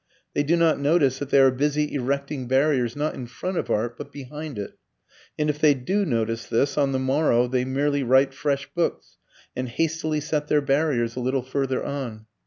They do not notice that they are busy erecting barriers, not in front of art, but behind it. And if they do notice this, on the morrow they merely write fresh books and hastily set their barriers a little further on.